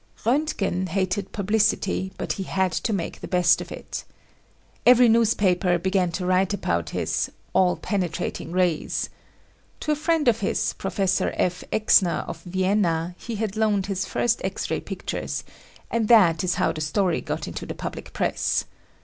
Roentgen hated publicity but he had to make the best of it. Every ROENTGEN'S RAY Wilhelm Konrad Roentgen as a student newspaper began to write about his "all penetrating rays." To a friend of his, Professor F. Exner of Vienna, he had loaned his first X ray pic tures and that is how the story got into the public press.